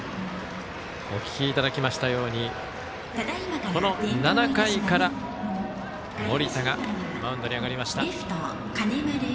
お聞きいただきましたようにこの７回から、盛田がマウンドに上がりました。